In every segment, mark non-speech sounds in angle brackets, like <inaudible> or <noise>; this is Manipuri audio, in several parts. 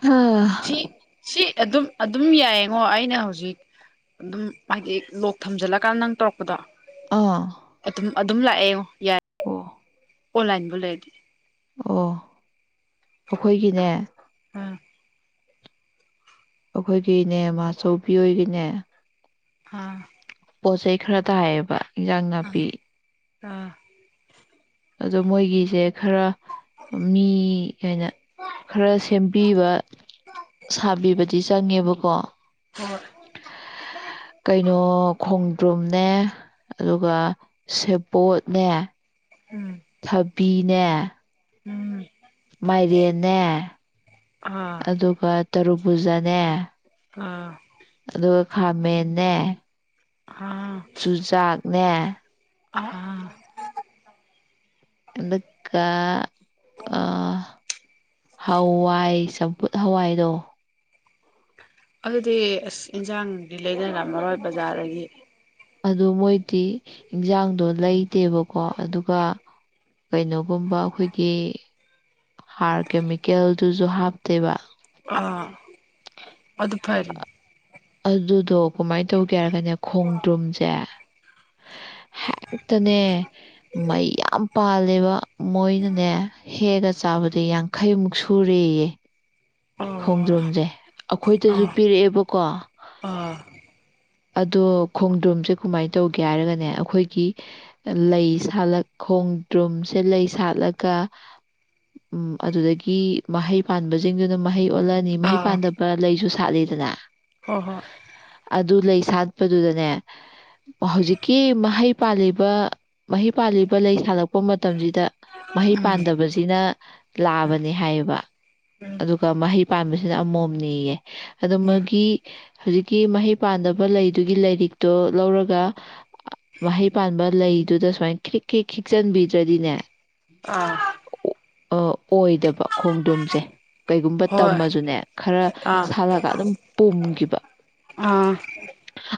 ꯍꯥ, ꯁꯤ ꯁꯤ ꯑꯗꯨ ꯑꯗꯨꯝ ꯑꯗꯨꯝ ꯌꯥꯏꯌꯦꯉꯣ ꯑꯩꯅ ꯍꯧꯖꯤꯛ ꯑꯗꯨꯝ ꯍꯥꯏꯗꯤ ꯂꯣꯛ ꯊꯝꯖꯜꯂꯀꯥꯟꯗ ꯅꯪ ꯇꯧꯔꯛꯄꯗꯣ ꯑꯥ ꯑꯗꯨꯝ ꯑꯗꯨꯝ ꯂꯥꯛꯑꯦ ꯌꯥ ꯑꯣ ꯑꯣꯟꯂꯥꯏꯟꯕꯨ ꯂꯩꯗꯤ ꯑꯣ ꯑꯩꯈꯣꯏꯒꯤꯅꯦ ꯑ ꯑꯩꯈꯣꯏꯒꯤꯅꯦ ꯃꯥꯆꯧꯕꯤ ꯑꯣꯏꯒꯤꯅꯦ ꯍꯥ ꯄꯣꯠꯆꯩ ꯈꯔ ꯇꯥꯏꯌꯦꯕ ꯏꯟꯖꯥꯡ ꯅꯥꯄꯤ ꯑꯥ ꯑꯗꯣ ꯃꯣꯏꯒꯤꯁꯦ ꯈꯔ ꯃꯤ ꯀꯅ ꯈꯔ ꯁꯦꯝꯕꯤꯕ ꯁꯥꯕꯤꯕꯗꯤ ꯆꯪꯉꯦꯕꯀꯣ ꯍꯣꯏ ꯀꯩꯅꯣ ꯈꯣꯡꯗ꯭ꯔꯨꯝꯅꯦ ꯑꯗꯨꯒ ꯁꯦꯕꯣꯠꯅꯦ ꯎꯝ ꯊꯕ ꯄꯕꯤꯅꯦ ꯎꯝ ꯃꯥꯏꯔꯦꯅꯦꯦ ꯑꯥ ꯑꯗꯨꯒ ꯇꯔꯨꯛ ꯄꯨꯨꯖꯅꯦ ꯑꯥ ꯈꯥꯃꯅꯦ ꯑꯥ ꯆꯨꯖꯥꯛꯅꯦ ꯑꯥ ꯑꯥ <unintelligible> ꯑꯥ ꯍꯋꯥꯏ ꯆꯝ ꯍꯋꯥꯏꯗꯣ ꯑꯗꯨꯗꯤ ꯑꯁ ꯏꯟꯁꯥꯡꯗꯤ ꯂꯩꯗꯅꯔꯝꯃꯔꯣꯏ ꯕꯖꯥꯔꯗꯒꯤ ꯑꯗꯨ ꯃꯣꯏꯗꯤ ꯏꯟꯁꯥꯡꯗꯣ ꯂꯩꯗꯦꯕꯀꯣ ꯑꯗꯨꯒ ꯀꯩꯅꯣꯒꯨꯝꯕ ꯑꯩꯈꯣꯏꯒꯤ ꯍꯥꯔ ꯀꯦꯃꯤꯀꯦꯜꯗꯨꯁꯨ ꯍꯥꯞꯇꯦꯕ ꯑꯥ ꯑꯗꯨ ꯐꯔꯤꯅꯤ ꯑꯗꯨꯗꯣ ꯀꯃꯥꯏꯅ ꯇꯧ ꯍꯥꯏꯔꯒꯅꯦ ꯈꯣꯡꯗ꯭ꯔꯨꯝꯁꯦ ꯍꯦꯛꯇꯅꯦ ꯃꯩꯌꯥꯝ ꯄꯥꯜ <unintelligible> ꯃꯣꯏꯅꯅꯦ ꯍꯦꯛꯑꯒ ꯆꯥꯕꯗ ꯌꯥꯡꯈꯩꯃꯨꯛ ꯁꯨꯔꯦꯌꯦ ꯑꯣ ꯈꯣꯡꯗꯔꯨꯝꯁꯦ ꯑꯩꯈꯣꯏꯗꯁꯨ ꯑꯥ ꯄꯤꯔꯛꯑꯦꯕꯀꯣ ꯑꯥ ꯑꯗꯣ ꯈꯣꯡꯗ꯭ꯔꯨꯝꯁꯦ ꯀꯃꯥꯏꯅ ꯇꯧꯒꯦ ꯍꯥꯏꯔꯒꯅꯦ ꯑꯩꯈꯣꯏꯒꯤ ꯂꯩ ꯁꯥꯠꯂ ꯈꯣꯡꯗ꯭ꯔꯨꯝꯁꯦ ꯂꯩ ꯁꯥꯠꯂꯒ ꯑꯗꯨꯗꯒꯤ ꯃꯍꯩ ꯄꯥꯟꯕꯁꯤꯡꯗꯨꯅ ꯃꯍꯩ ꯑꯣꯠꯂꯅꯤ ꯃꯍꯩ ꯑꯥ ꯄꯥꯟꯗꯕ ꯂꯩꯁꯨ <unintelligible> ꯂꯤꯗꯅ ꯍꯣꯏ ꯑꯗꯨ ꯂꯩ ꯁꯥꯠꯄꯗꯨꯗꯅꯦ ꯍꯧꯖꯤꯛꯀꯤ ꯃꯍꯩ ꯄꯥꯜꯂꯤꯕ ꯃꯍꯩ ꯄꯥꯜꯂꯤꯕ ꯂꯩ ꯁꯥꯠꯂꯛꯄ ꯃꯇꯝꯁꯤꯗ ꯍꯣꯏ ꯃꯍꯩ ꯎꯝ ꯄꯥꯟꯗꯕꯁꯤꯅ ꯂꯥꯕꯅꯦ ꯍꯥꯏꯌꯦꯕ ꯑꯗꯨꯒ ꯃꯍꯩ ꯄꯥꯟꯕꯁꯤꯅ ꯑꯃꯣꯝꯅꯤꯌꯦ ꯑꯗꯨ ꯎꯝ ꯃꯥꯒꯤ ꯍꯧꯖꯤꯛꯀꯤ ꯃꯍꯩ ꯄꯥꯟꯗꯕ ꯂꯩꯗꯨꯒꯤ ꯂꯥꯏꯔꯤꯛꯇꯣ ꯂꯧꯔꯒ ꯃꯍꯩ ꯄꯥꯟꯕ ꯂꯩꯗꯨꯗ ꯁꯨꯃꯥꯏꯅ ꯈꯤꯛ ꯈꯤ ꯈꯤꯛꯆꯟꯕꯤꯗ꯭ꯔꯗꯤꯅꯦ ꯑꯥ <unintelligible> ꯑꯣꯏꯗꯕ ꯈꯣꯡꯗꯣꯝꯁꯦ ꯀꯩꯒꯨꯝꯕ ꯍꯣꯏ ꯇꯝꯃꯁꯨꯅꯦ ꯈꯔ ꯑꯥ ꯁꯥꯠꯂꯒ ꯑꯗꯨꯝ ꯄꯣꯝꯈꯤꯕ ꯑꯥ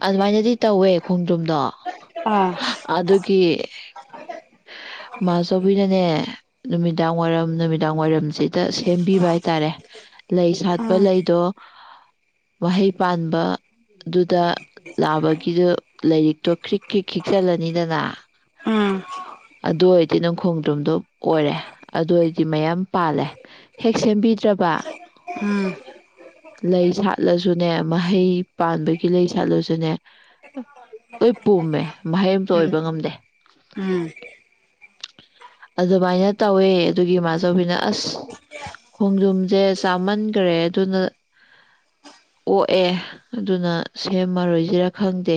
ꯑꯗꯨꯃꯥꯏꯅꯗꯤ ꯇꯧꯋꯦ ꯈꯣꯡꯗꯔꯨꯝꯗꯣ ꯑꯥ ꯑꯗꯨꯒꯤ ꯃꯥꯆꯧꯕꯤꯅꯅꯦ ꯅꯨꯃꯤꯗꯥꯡ ꯋꯥꯏꯔꯝ ꯅꯨꯃꯤꯗꯥꯡ ꯋꯥꯏꯔꯝꯁꯦ ꯁꯦꯝꯕꯤꯕ ꯍꯥꯏꯇꯥꯔꯦ ꯂꯩ ꯁꯥꯠꯄ ꯎꯝ ꯂꯩꯗꯣ ꯃꯍꯩ ꯄꯥꯟꯕ ꯑꯗꯨꯗ ꯂꯥꯕꯒꯤꯗꯨ ꯂꯩꯔꯤꯛ <unintelligible> ꯈꯤꯛ ꯈꯤꯛ ꯆꯜꯂꯅꯤꯗꯅ ꯎꯝ ꯑꯗꯨ ꯑꯣꯏꯔꯗꯤ ꯅꯪ ꯈꯣꯡ <unintelligible> ꯑꯣꯏꯔꯦ ꯑꯗꯨ ꯃꯌꯥꯝ ꯄꯥꯜꯂꯦ ꯍꯦꯛ ꯁꯦꯝꯕꯤ ꯠꯇ꯭ꯔꯕ ꯎꯝ ꯂꯩ ꯁꯥꯠꯂꯁꯨ <unintelligible> ꯑꯗꯨꯨꯅꯦ ꯃꯍꯩ ꯄꯥꯟꯕꯒꯤ ꯂꯩ ꯁꯥꯠꯂꯥꯁꯨꯅꯦ ꯂꯣꯏ ꯄꯨꯝꯃꯦ ꯃꯍꯩ ꯑꯝꯇ ꯑꯣꯏꯕ ꯎꯝ ꯉꯝꯗꯦ ꯎꯝ ꯑꯗꯨꯃꯥꯏꯅ ꯇꯧꯋꯦ ꯑꯗꯨꯒꯤ ꯏꯃꯥꯆꯧꯕꯤꯅ ꯑꯁ ꯈꯣꯡꯗꯔꯨꯝꯁꯦ ꯆꯥꯃꯟꯈ꯭ꯔꯦ ꯑꯗꯨꯅ ꯑꯣꯛꯑꯦ ꯑꯗꯨꯅ ꯁꯦꯝꯃꯔꯣꯏꯁꯤꯔꯥ ꯈꯪꯗꯦ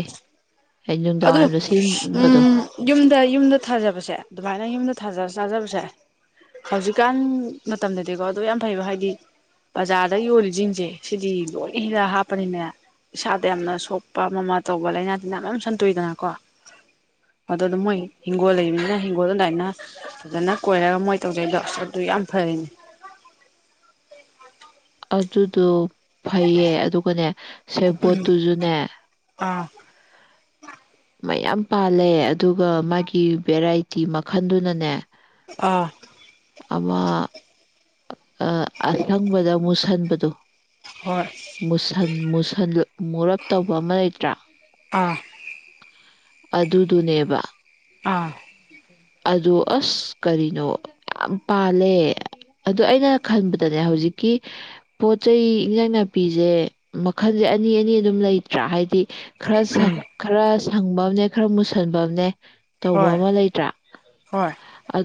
ꯑꯩ ꯑꯗꯨ ꯅꯨꯡꯗꯥꯡꯋꯥꯏꯔꯝꯗ ꯁꯦꯝꯕꯗꯣ ꯎꯝ ꯌꯨꯝꯗ ꯌꯨꯝꯗ ꯊꯥꯖꯕꯁꯦ ꯑꯗꯨꯃꯥꯏꯅ ꯌꯨꯝꯗ ꯊꯥꯖꯔꯒ ꯆꯥꯖꯥꯕꯁꯦ ꯍꯧꯖꯤꯛꯀꯥꯟ ꯃꯇꯝꯗꯗꯤꯀꯣ ꯑꯗꯨ ꯌꯥꯝ ꯐꯩꯑꯦꯕ ꯍꯥꯏꯗꯤ ꯕꯖꯥꯔꯗ ꯌꯣꯜꯂꯤꯁꯤꯡꯁꯦ ꯁꯤꯗꯤ ꯂꯣꯏꯅ ꯍꯤꯗꯤꯛ ꯍꯥꯞꯄꯅꯤꯅꯥ ꯏꯁꯥꯗ ꯌꯥꯝꯅ ꯁꯣꯛꯄ ꯑꯃꯃ ꯇꯧꯕ ꯂꯥꯏꯅꯥ ꯇꯤꯟꯅꯥ ꯃꯌꯥꯝ ꯁꯟꯇꯣꯏꯗꯅꯀꯣ ꯑꯗꯨꯅ ꯃꯣꯏ ꯍꯤꯡꯒꯣꯜ ꯂꯩꯕꯅꯤꯅ ꯍꯤꯡꯒꯣꯜꯗꯥ ꯑꯗꯨꯃꯥꯏꯅ ꯐꯖꯅ ꯀꯣꯏꯔꯒ ꯃꯣꯏ ꯇꯧꯖꯥꯔꯤꯗꯣ ꯑꯗꯨ ꯌꯥꯝ ꯐꯔꯅꯦ ꯑꯗꯨꯗꯣ ꯐꯩꯌꯦ ꯑꯗꯨꯒꯅꯦ ꯁꯦꯕꯣꯠꯇꯨꯁꯨꯅꯦ ꯑ <inaudible> ꯃꯌꯥꯝ ꯄꯥꯜꯂꯦ ꯑꯗꯨꯒ ꯃꯥꯒꯤ ꯕꯦꯔꯥꯏꯇꯤ ꯃꯈꯜꯗꯨꯅꯅꯦ ꯑꯥ ꯑꯃꯥ ꯑ ꯑꯁꯪꯕꯗ ꯃꯨꯁꯟ ꯕꯗꯨ ꯍꯣꯏ ꯃꯨꯁꯟ ꯃꯨꯁꯟ ꯃꯨꯔꯞ ꯇꯧꯕ ꯑꯃ ꯂꯩꯇ꯭ꯔꯥ ꯑꯥ ꯑꯗꯨꯗꯨꯅꯦꯕ ꯑꯥ ꯑꯗꯨ ꯑꯁ ꯀꯔꯤꯅꯣ ꯌꯥꯝ ꯄꯥꯜꯂꯦ ꯑꯗꯨ ꯑꯩꯅ ꯈꯟꯕꯗꯅꯦ ꯍꯧꯖꯤꯛꯀꯤ ꯄꯣꯠ ꯆꯩꯩ ꯏꯟꯖꯥꯡ ꯅꯥꯄꯤꯁꯦ ꯃꯈꯜꯁꯦ ꯑꯅꯤ ꯑꯅꯤ ꯑꯗꯨꯝ ꯂꯩꯇ꯭ꯔꯥ ꯍꯥꯏꯗꯤ ꯈꯔ ꯁꯪ ꯎꯝ ꯈꯔ ꯁꯪꯕ ꯑꯃꯅꯦ ꯈꯔ ꯃꯨꯁꯟꯕ ꯑꯃꯅꯦ ꯇꯧ ꯕ ꯍꯣꯏ ꯑꯃ ꯂꯩ ꯍꯣꯏ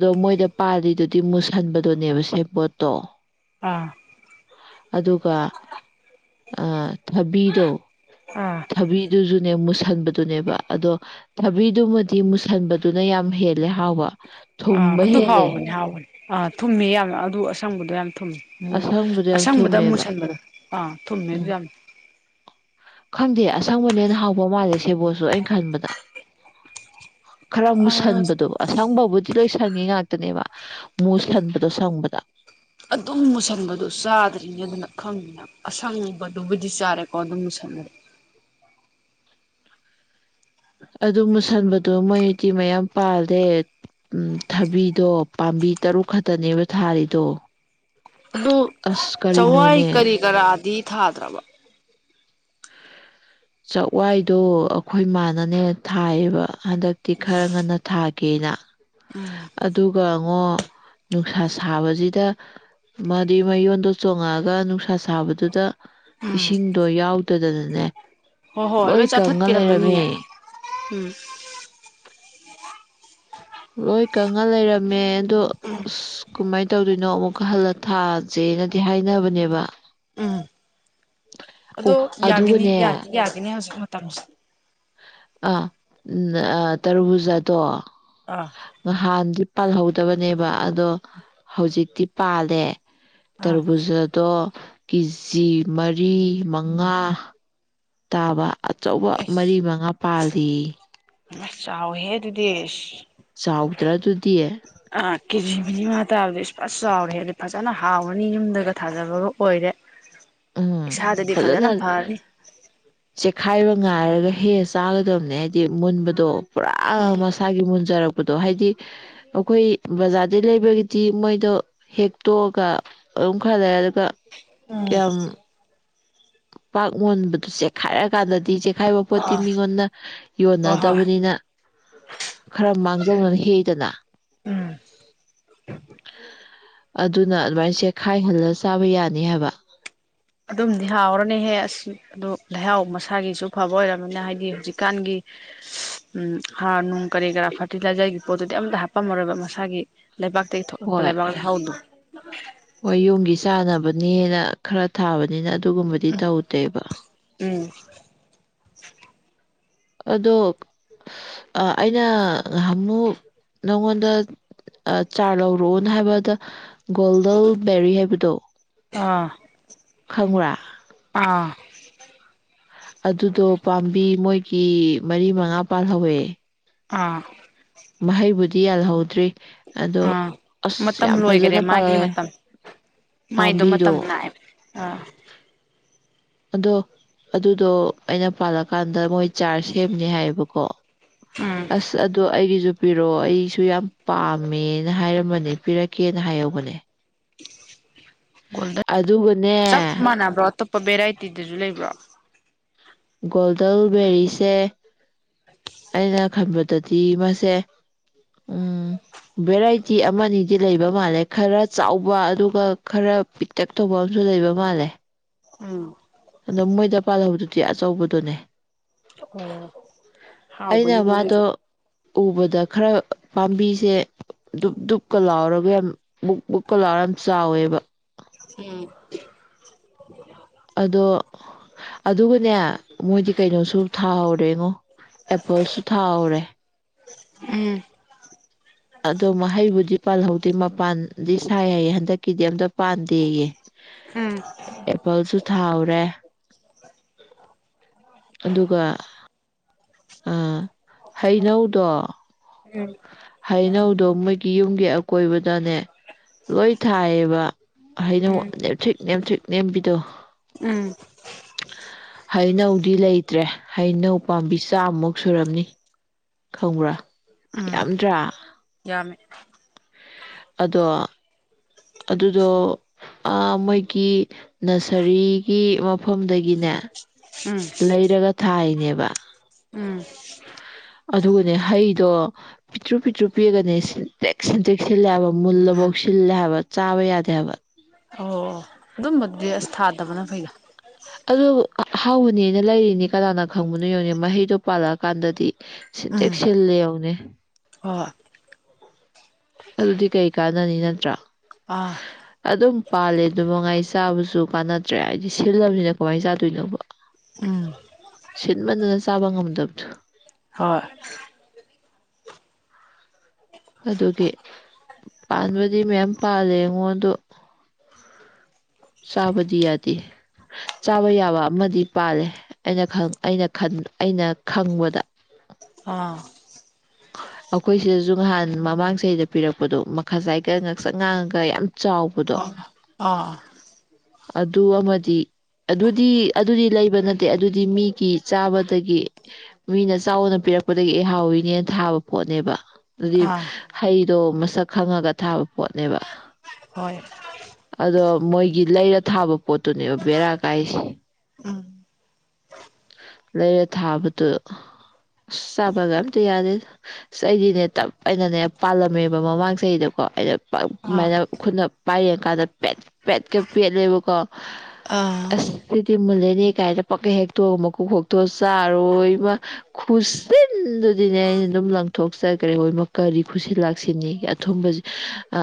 ꯑꯗꯣ ꯃꯣꯏꯗ ꯄꯥꯜꯂꯤꯗꯨꯗꯤ ꯃꯨꯁꯟꯕꯗꯨꯅꯦꯕ ꯁꯦꯕꯣꯠꯇꯣ ꯑꯥ ꯑꯗꯨꯒ ꯑꯥ ꯊꯕꯤꯗꯣ ꯑꯥ ꯊꯕꯤꯗꯨꯁꯨꯅꯦ ꯃꯨꯁꯟ ꯨꯃꯨꯁꯟꯕꯗꯨꯅꯦꯕ ꯑꯗꯣ ꯊꯕꯤꯗꯨꯃꯗꯤ ꯃꯨꯁꯟꯕꯗꯨꯅ ꯌꯥꯝ ꯍꯦꯜꯂꯦ ꯍꯥꯎꯕ ꯑꯥ ꯊꯨꯝꯕ ꯑꯗꯨ ꯍꯦꯜꯂꯦ ꯍꯥꯎꯕꯅꯤ ꯍꯥꯎꯕꯅꯤ ꯑꯥ ꯊꯨꯝꯃꯦ ꯌꯥꯝꯅ ꯑꯗꯨ ꯑꯁꯪꯕꯗꯣ ꯌꯥꯝꯅ ꯊꯨꯝꯃꯦ ꯑꯁꯪꯕꯗꯣ ꯌꯥꯝ ꯑꯁꯪꯕꯗ ꯊꯨꯝꯃꯦꯕ ꯃꯨꯁꯟꯕꯗ ꯑꯥ ꯊꯨꯝꯃꯦ ꯑꯗꯨ ꯎꯝ ꯌꯥꯝ ꯈꯪꯗꯦ ꯑꯁꯪꯕꯅ ꯍꯦꯟꯅ ꯍꯥꯎꯕ ꯃꯥꯜꯂꯦ ꯁꯦꯕꯣꯠꯁꯨ ꯑꯩꯅ ꯈꯟꯕꯗ ꯈꯔ ꯑꯁ ꯃꯨꯁꯟꯕꯗꯣ ꯑꯁꯡꯕꯕꯨꯗꯤ ꯂꯣꯏ ꯁꯪꯉꯤ ꯉꯥꯛꯇꯅꯦꯕ ꯃꯨꯁꯟꯕꯗꯣ ꯁꯪꯕꯗ ꯑꯗꯨꯝ ꯃꯨꯁꯟꯕꯗꯨ ꯆꯥꯗ꯭ꯔꯤꯅꯦ ꯑꯗꯨꯅ ꯈꯪꯉꯤꯅ ꯑꯁꯪꯕꯗꯨꯕꯨꯗꯤ ꯆꯥꯔꯦꯀꯣ ꯑꯗꯨꯝ ꯃꯨꯁꯟꯕꯗꯣ ꯑꯗꯨ ꯃꯨꯁꯟꯕꯗꯣ ꯃꯣꯏꯇꯤ ꯃꯌꯥꯝ ꯄꯥꯜꯂꯦ ꯊꯕꯤꯗꯣ ꯄꯥꯝꯕꯤ ꯇꯔꯨꯛ ꯈꯛꯇꯅꯦꯕ ꯊꯥꯔꯤꯗꯣ ꯑꯁ ꯆꯧꯋꯥꯏ ꯀꯔꯤꯅꯣꯅꯦ ꯀꯔꯤ ꯀꯔꯥꯗꯤ ꯊꯥꯗꯔ꯭ꯕꯣ ꯆꯥꯛꯋꯥꯏꯗꯣ ꯑꯩꯈꯣꯏꯃꯥꯅꯅꯦ ꯊꯥꯏꯌꯦꯕ ꯍꯟꯗꯛꯇꯤ ꯈꯔ ꯉꯟꯅ ꯊꯥ ꯎꯝ <unintelligible> ꯑꯗꯨꯒꯉꯣ ꯅꯨꯡꯁꯥ ꯁꯥꯕꯁꯤꯗ ꯃꯥꯗꯤ ꯃꯌꯣꯟꯗꯣ ꯆꯣꯡꯉꯛꯑꯒ ꯅꯨꯡꯁꯥ ꯊꯥꯕꯗꯨꯗ ꯎꯝ ꯏꯁꯤꯡꯗꯣ ꯌꯥꯎ ꯑꯗꯨꯗꯨꯅꯅꯦ ꯍꯣꯏ ꯍꯣꯏ ꯂꯣꯏ ꯀꯪꯉ ꯂꯩꯔꯝꯃꯦ ꯆꯥꯊꯠꯄꯤꯔꯝꯃꯅꯤꯌꯦ ꯎꯝ <unintelligible> ꯂꯣꯏ ꯀꯪꯉ ꯂꯩꯔꯝꯃꯦ ꯗꯣ ꯀꯃꯥꯏ ꯇꯧꯗꯣꯏꯅꯣ ꯑꯃꯨꯛꯀ ꯍꯜꯂ ꯊꯥꯥꯁꯦꯅꯗꯤ ꯍꯥꯏꯅꯕꯅꯦꯕ ꯎꯝ ꯑꯣ ꯑꯗꯣ ꯌꯥꯒꯤꯅꯤ ꯑꯗꯨꯒꯅꯦ ꯌꯥꯗꯤ ꯌꯥꯒꯤꯅꯤ ꯍꯧꯖꯤꯛ ꯇꯝꯁꯤ ꯑ ꯇꯔꯨꯕꯨꯖꯥꯗꯣ ꯑꯥ ꯉꯍꯥꯟ ꯄꯥꯜꯍꯧꯗꯕꯅꯦꯕ ꯑꯗꯣ ꯍꯧꯖꯤꯛꯇꯤ ꯄꯥꯜꯂꯦ ꯑꯥ ꯇꯔꯕꯨꯖꯥꯗꯣ ꯀꯦ ꯖꯤ ꯃꯔꯤ ꯃꯉꯥ ꯇꯥꯕ ꯑꯆꯧꯕ ꯃꯔꯤ ꯃꯉꯥ ꯄꯥꯜꯂꯤ ꯑꯁ ꯆꯥꯎꯋꯤꯍꯦ ꯑꯗꯨꯗꯤ ꯆꯥꯎꯗꯔꯗꯨꯗꯤ ꯑꯥ ꯀꯦꯖꯤ ꯃꯔꯤ ꯃꯉꯥ ꯇꯥꯕꯗ ꯏꯁ ꯐꯖꯅ ꯆꯥꯎꯔꯦ ꯍꯥꯏꯗꯤ ꯐꯖꯅ ꯍꯥꯎꯔꯅꯤ ꯌꯨꯝꯗꯒ ꯊꯥꯖꯕꯒ ꯑꯣꯏꯔꯦ ꯏꯁꯥꯗꯗꯤ ꯐꯖꯅ ꯐꯔꯅꯤ ꯆꯦꯛꯈꯥꯏꯕ ꯉꯥꯏꯔꯒ ꯍꯦꯛꯑ ꯆꯥꯒꯗꯕꯅꯦ ꯍꯥꯏꯗꯤ ꯃꯨꯟꯕꯗꯣ ꯄꯨꯔꯥ ꯎꯝ ꯃꯁꯥꯒꯤ ꯃꯨꯟꯖꯔꯛ ꯄꯗꯣ ꯍꯥꯏꯗꯤ ꯑꯩꯈꯣꯏ ꯕꯖꯥꯔꯗꯩ ꯂꯩꯕꯒꯤꯗꯤ ꯃꯣꯏꯗꯣ ꯍꯦꯛꯇꯣꯛꯑꯒ ꯑꯗꯨꯝ ꯈꯔ ꯂꯩꯔꯒ ꯎꯝ ꯌꯥꯝ ꯄꯥꯛ ꯃꯨꯟꯕꯗꯨ ꯆꯦꯛꯈꯥꯏꯔꯀꯥꯟꯗꯗꯤ ꯍꯥꯏꯕ ꯄꯣꯠꯇꯤ ꯑꯥ ꯃꯤꯉꯣꯟꯗ ꯍꯣꯏ ꯍꯣꯏ ꯌꯣꯟꯅꯗꯕꯅꯤꯅ ꯈꯔ ꯃꯥꯡꯖꯧꯅꯅ ꯍꯦꯛꯏꯗꯅ ꯎꯝ ꯑꯗꯨꯅ ꯑꯗꯨꯃꯥꯏ ꯆꯦꯈꯥꯏ ꯍꯨꯜꯂꯒ ꯆꯥꯕ ꯌꯥꯅꯤ ꯍꯥꯏꯕ ꯑꯗꯨꯝꯗꯤ ꯍꯥꯎꯔꯅꯤꯍꯦ ꯑꯁ ꯑꯗꯨ ꯂꯩꯍꯥꯎ ꯃꯁꯥꯒꯤꯁꯨ ꯐꯕ ꯑꯣꯏꯔꯕꯝꯃꯤꯅꯤꯅ ꯍꯥꯏꯗꯤ ꯍꯧꯖꯤꯛꯀꯥꯟꯒꯤ ꯎ ꯍꯥꯔ ꯅꯨꯡ ꯀꯔꯤ ꯀꯔꯥ ꯐꯔꯇꯤꯂꯥꯏꯖꯔꯒꯤ ꯄꯣꯠꯇꯨꯗꯤ ꯑꯝꯇ ꯍꯥꯞꯄꯝꯃꯔꯣꯏꯕ ꯃꯁꯥꯒꯤ ꯂꯩꯕꯥꯛ ꯇꯗꯒꯤ ꯊꯣꯛꯂꯛꯄꯥ ꯍꯣꯏ ꯂꯩꯕꯗ ꯍꯥꯎꯗꯨ ꯍꯣꯏ ꯌꯨꯝꯒꯤ ꯆꯥꯅꯕꯅꯦꯅ ꯈꯔ ꯊꯥꯕꯅꯤꯅ ꯑꯗꯨ ꯑꯗꯨꯒꯨꯝꯕꯗꯤ ꯇꯧꯎꯗꯦꯕ ꯎꯝ ꯑꯗꯣ ꯑꯩꯅ ꯉꯍꯥꯃꯨꯛ ꯅꯪꯉꯣꯟꯗ ꯆꯥꯔ ꯂꯧꯔꯛꯑꯣꯅ ꯍꯥꯏꯕꯗ ꯒꯣꯜꯗꯜ ꯕꯦꯔꯤ ꯍꯥꯏꯕꯗꯣ ꯑꯥ ꯈꯪꯕ꯭ꯔꯥ ꯑꯥ ꯑꯗꯨꯗꯣ ꯄꯥꯝꯕꯤ ꯃꯣꯏꯒꯤ ꯃꯔꯤ ꯃꯉꯥ ꯄꯥꯜꯍꯧꯋꯦ ꯑꯥ ꯃꯍꯩꯕꯨꯗꯤ ꯌꯥꯜꯍꯧꯗ꯭ꯔꯤ ꯑꯗꯣ ꯑꯥ ꯑꯁ ꯃꯇꯝ ꯌꯥꯝ ꯂꯣꯏꯈꯔꯦ ꯐꯖꯅ ꯃꯥꯒꯤ ꯄꯥꯜꯍꯧꯋꯦ ꯃꯇꯝ ꯃꯥꯏꯗꯣ ꯄꯥꯝꯕꯤꯗꯣ ꯃꯇꯝ ꯅꯥꯑꯦꯕ ꯑꯥ ꯑꯗꯣ ꯑꯗꯨꯗꯣ ꯑꯩꯅ ꯄꯥꯜꯂꯀꯥꯟꯗ ꯃꯣꯏ ꯆꯥꯔꯖ ꯁꯦꯝꯅꯤ ꯍꯥꯏꯌꯦꯕꯀꯣ ꯎꯝ ꯑꯁ ꯑꯗꯣ ꯑꯩꯒꯤꯁꯨ ꯄꯤꯔꯛꯑꯣ ꯑꯩꯁꯨ ꯌꯥꯝ ꯄꯥꯝꯃꯦꯅ ꯍꯥꯏꯔꯝꯕꯅꯦ ꯄꯤꯔꯛꯀꯦꯅ ꯍꯥꯏꯍꯧꯕꯅꯦ <unintelligible> ꯑꯗꯨꯒꯅꯦ ꯦ <unintelligible> ꯇꯤꯠꯇꯁꯨ ꯂꯩꯕ꯭ꯔꯥ ꯒꯣꯜꯗꯦꯜꯕꯦꯔꯤꯁꯦ ꯑꯩꯩꯅ ꯈꯟꯝꯕꯗ ꯑꯗꯨꯗꯤ ꯃꯥꯁꯦ ꯎ ꯚꯦꯔꯥꯏꯇꯤ ꯑꯃꯅꯤꯗꯤ ꯂꯩꯕ ꯃꯥꯜꯂꯦ ꯈꯔ ꯆꯥꯎꯕ ꯑꯗꯨꯒ ꯈꯔ ꯄꯤꯛꯇꯛ ꯇꯧꯕ ꯑꯃꯁꯨ ꯂꯩꯕ ꯃꯥꯜꯂꯦ ꯎ ꯤ ꯑꯆꯧꯕꯗꯨꯅꯦ ꯑꯣ ꯑꯩꯅ ꯍꯥꯎꯕꯅꯤꯅꯦꯁꯨ ꯃꯥꯗꯣ ꯎꯕꯗ ꯈꯔ ꯄꯥꯝꯕꯤꯁꯦ ꯗꯨꯨꯞ ꯗꯨꯨꯞꯀ ꯂꯥꯎꯔꯒ ꯌꯥꯝ ꯕꯨꯛ ꯕꯨꯛꯀ ꯂ ꯌꯥꯝ ꯆꯥꯎꯋꯦꯕ ꯎꯝ ꯑꯗꯣ ꯑꯗꯨꯒꯅꯦ ꯃꯣꯏꯗꯤ ꯀꯩꯅꯣꯁꯨ ꯊꯥꯍꯧꯔꯦꯉꯣ ꯑꯦꯄꯜꯁꯨ ꯊꯥꯍꯧꯔꯦ ꯎꯝ ꯃ ꯄꯜ ꯍꯧꯥꯎꯗꯤꯤ ꯃꯄꯥꯟꯗꯤ ꯁꯥꯏ ꯍꯥꯏꯌꯦ ꯍꯟꯗꯛꯀꯤꯗꯤ ꯑꯝꯇ ꯄꯥꯟꯗꯦꯌꯦ ꯑꯦꯄꯜꯁꯨ ꯊꯥꯎꯔꯦ ꯑꯗꯨꯒ ꯍꯩꯅꯧꯗꯣ ꯎꯝ ꯍꯩꯅꯧꯗꯣ ꯃꯣꯏꯒꯤ ꯌꯨꯝꯒꯤ ꯑꯀꯣꯏꯕꯗꯅꯦ ꯂꯣꯏ ꯊꯥꯏꯌꯦꯕ ꯍꯥꯏꯅ ꯎꯝ ꯅꯦꯝ ꯅꯦꯝ ꯅꯦꯝꯦꯝꯕꯤꯗꯣ ꯎꯝ ꯍꯩꯅꯧꯗꯤ ꯂꯩꯇ꯭ꯔꯦ ꯍꯩꯅꯧ ꯄꯥꯝꯕꯤ ꯆꯥꯝꯃꯨꯛ ꯁꯨꯔꯝꯅꯤ ꯈꯪꯕ꯭ꯔꯥ ꯎꯝ ꯌꯥꯝꯗ꯭ꯔꯥ ꯌꯥꯝꯃꯦ ꯑꯗꯣ ꯑꯗꯨꯗꯣ ꯃꯣꯏꯒꯤ ꯅꯁꯔꯤꯒꯤ ꯃꯐꯝꯗꯒꯤꯅꯦ ꯎꯝ ꯂꯩꯔꯒ ꯊꯥꯏꯅꯦꯕ ꯎꯝ ꯑꯗꯨꯒꯅꯦ ꯍꯩꯗꯣ ꯄꯤꯠꯇ꯭ꯔꯨ ꯄꯤꯠꯇ꯭ꯔꯨ ꯄꯤꯒꯅꯦ ꯁꯤꯟꯇꯦꯛ ꯁꯤꯟꯇ꯭ꯔꯦꯛ ꯁꯤꯜꯂꯦ ꯍꯥꯏꯕ ꯃꯨꯜꯂꯐꯧ ꯁꯤꯜꯂꯦ ꯍꯥꯏꯕ ꯆꯥꯕ ꯌꯥꯗꯦ ꯍꯥꯏꯕ ꯑꯗꯨꯝꯕꯗꯤ ꯑꯁ ꯊꯥꯗꯕꯅ ꯐꯩꯒ ꯑꯗꯨꯗ ꯍꯥꯎꯕꯅꯦꯅ ꯂꯩꯔꯤꯅꯤ ꯀꯅꯥꯅ ꯈꯪꯕꯅꯣ ꯌꯦꯧꯅꯤ ꯃꯍꯩꯗꯣ ꯄꯥꯜꯂꯛꯑꯀꯥꯟꯗꯗꯤ ꯎꯝ ꯇꯦꯛꯁꯤꯜꯂꯦ ꯌꯦꯧꯅꯦ ꯍꯣꯏ ꯑꯗꯨꯗꯤ ꯀꯩ ꯀꯥꯟꯅꯅꯤ ꯅꯠꯇ꯭ꯔꯥ ꯑꯥ ꯑꯗꯨꯝ ꯄꯥꯜꯂꯦ ꯑꯗꯨ ꯃꯉꯥꯏ ꯆꯥꯕꯁꯨ ꯀꯥꯟꯅꯗ꯭ꯔꯦ ꯍꯥꯏꯗꯤ ꯁꯤꯜꯂꯕꯅꯤꯅ ꯀꯃꯥꯏꯅ ꯆꯥꯗꯣꯏꯅꯣꯕ ꯎꯝ ꯁꯤꯟꯕꯗꯨꯅ ꯆꯥꯕ ꯉꯝꯗꯕꯗꯣ ꯍꯣꯏ ꯑꯗꯨꯒꯤ ꯄꯥꯟꯕꯗꯤ ꯃꯌꯥꯝ ꯄꯥꯜꯂꯦ ꯑꯩꯉꯣꯟꯗ ꯆꯥꯕꯗꯤ ꯌꯥꯗꯦ ꯆꯥꯕ ꯌꯥꯕ ꯑꯃꯗꯤ ꯄꯥꯜꯂꯦ ꯑꯩꯅ ꯑꯩꯅ ꯑꯩꯅ ꯈꯪꯕꯗ ꯑꯥ ꯑꯩꯈꯣꯏ ꯁꯤꯗꯁꯨ ꯉꯍꯥꯟ ꯃꯃꯥꯡ ꯆꯍꯤꯗ ꯄꯤꯔꯛꯄꯗꯣ ꯃꯈꯥ ꯆꯥꯏꯀ ꯉꯥꯛꯆꯪ ꯉꯥꯡꯉꯒ ꯌꯥꯝ ꯆꯥꯎꯕꯗꯣ ꯍꯣꯏ ꯑꯥ ꯑꯗꯨ ꯑꯃꯗꯤ ꯑꯗꯨꯗꯤ ꯑꯗꯨꯗꯤ ꯂꯩꯕ ꯅꯠꯇꯦ ꯑꯗꯨꯗꯤ ꯃꯤꯒꯤ ꯆꯥꯕꯗꯒꯤ ꯃꯤꯅ ꯆꯥꯎꯅ ꯄꯤꯔꯛꯄꯗꯒꯤ ꯑꯩ ꯍꯥꯎꯋꯤꯅꯦ ꯊꯥꯕ ꯄꯣꯠꯅꯦꯕ ꯑꯗꯨꯗꯤ ꯑꯥ ꯍꯩꯗꯣ ꯃꯁꯛ ꯈꯪꯉꯒ ꯊꯥꯕ ꯄꯣꯠꯅꯦꯕ ꯍꯣꯏ ꯑꯗꯣ ꯃꯣꯏꯒꯤ ꯂꯩꯔ ꯊꯥꯕ ꯄꯣꯠꯇꯨꯅꯦꯕ ꯕꯦꯔꯥ ꯀꯥꯏꯁꯦ ꯎꯝ ꯂꯩꯔ ꯊꯥꯕꯗꯨ ꯑꯁ ꯆꯥꯕꯒ ꯑꯝꯇ ꯌꯥꯗꯦ ꯑꯁ ꯆꯩꯗꯤꯅꯦ ꯇꯞ ꯑꯩꯅꯅꯦ ꯄꯥꯜꯂꯝꯃꯦꯕ ꯃꯃꯥꯡ ꯆꯍꯤꯗꯀꯣ ꯑꯩꯅ ꯄꯛ ꯑꯥ ꯑꯗꯨꯃꯥꯏꯅ ꯈꯨꯠꯅ ꯄꯥꯏꯔꯡꯀꯥꯟꯗ ꯄꯦꯠ ꯄꯦꯠꯀ ꯄꯦꯠꯂꯦꯕꯀꯣ ꯑꯥ ꯑꯁꯗꯤ ꯃꯨꯜꯂꯦꯅꯦ ꯀꯥꯏꯅ ꯄꯛꯀ ꯍꯦꯛꯇ ꯍꯇꯣꯛ ꯃꯀꯣꯛ ꯈꯣꯛꯇꯣꯛ ꯆꯥꯔꯣꯏꯕ ꯈꯨꯁꯤꯟꯗꯨꯗꯤꯅꯦ ꯑꯩꯅ ꯑꯗꯨꯝ ꯂꯪꯊꯣꯛꯆꯈ꯭ꯔꯦ ꯍꯣꯏ ꯀꯗꯤ ꯈꯨꯁꯤꯟ ꯂꯥꯛꯁꯤꯅꯤ ꯑꯊꯨꯝꯕ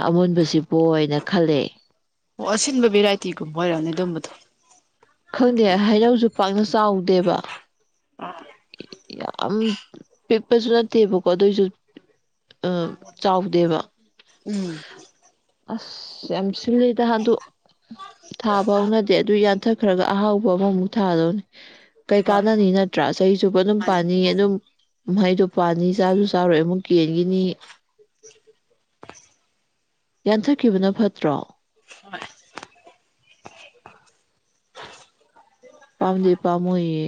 ꯑꯃꯨꯣꯟꯕꯁꯤꯕꯅ ꯈꯜꯂꯦ ꯑꯣ ꯑꯁꯤꯟꯕ ꯚꯦꯔꯥꯏꯇꯤꯒꯨꯝꯕ ꯑꯣꯏꯔꯛꯅꯤ ꯑꯗꯨꯝꯕꯗꯣ ꯈꯪꯗꯦ ꯍꯩꯩꯅꯧꯁꯨ ꯄꯥꯛꯅ ꯆꯥꯎꯗꯦꯕ ꯌꯥꯝ ꯄꯤꯛꯄꯁꯨ ꯅꯠꯇꯦꯕꯀꯣ ꯑꯗꯨꯏꯁꯨ ꯑ ꯆꯥꯎꯗꯦꯕ ꯎꯝ ꯑꯁ ꯌꯥꯝ ꯁꯤꯜꯂꯤꯗꯍꯥꯟꯗꯣ ꯊꯥꯕ ꯍꯧꯅꯗꯦ ꯑꯗꯨ ꯃꯠꯊꯈ꯭ꯔꯒ ꯑꯍꯥꯎꯕ ꯑꯃꯃꯨꯛ ꯊꯥꯗꯧꯅꯤ ꯀꯩ ꯍꯣꯏ ꯀꯥꯟꯅꯅꯤ ꯅꯠꯇ꯭ꯔꯥ ꯆꯍꯤ ꯆꯨꯞꯄ ꯑꯗꯨꯝ ꯃꯥꯅꯦ ꯄꯥꯅꯤ ꯑꯗꯨꯝ ꯃꯍꯩꯗꯣ ꯄꯥꯅꯤ ꯆꯥꯁꯨ ꯆꯥꯔꯣꯏ ꯑꯃꯨꯛ ꯀꯦꯟꯈꯤꯅꯤ ꯌꯥꯟꯊꯈꯤꯕꯅ ꯐꯠꯇ꯭ꯔꯣ ꯄꯥꯝꯂꯤ ꯄꯥꯝꯏꯌꯦ